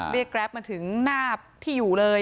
แกรปมาถึงหน้าที่อยู่เลย